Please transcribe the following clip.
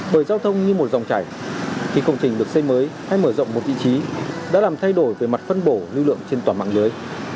bởi giao thông như một dòng chảy khi công trình được xây mới hay mở rộng một vị trí đã làm thay đổi về mặt phân bổ lưu lượng trên toàn mạng lưới